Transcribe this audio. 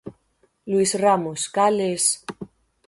Luís Ramos, cales...